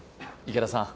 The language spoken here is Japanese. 池田さん